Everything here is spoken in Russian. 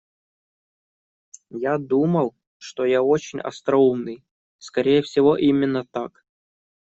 Я думал, что я очень остроумный, скорее всего, именно так.